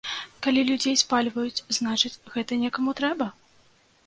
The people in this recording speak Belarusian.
Калі людзей спальваюць, значыць, гэта некаму трэба?